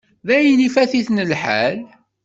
Dayen, ifat-iten lḥal.